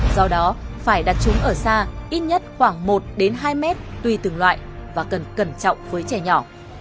do đó phải đặt chúng ở xa ít nhất khoảng một hai mét tùy từng loại và cần cẩn trọng với trẻ nhỏ